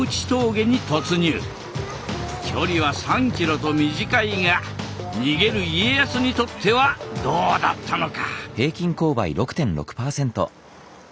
距離は３ｋｍと短いが逃げる家康にとってはどうだったのか？